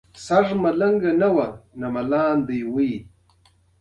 د اقتصاد پوهنځي محصلین عملي کار کوي؟